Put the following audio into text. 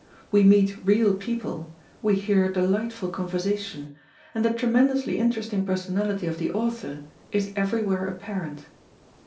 We meet real people, we hear delightful conversation, and the tremendously interesting personality of the author is everywhere apparent.